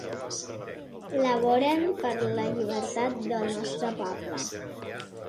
Laboren per la llibertat del nostre poble.